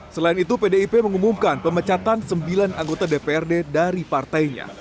selain itu pdip mengumumkan pemecatan sembilan anggota dprd dari partainya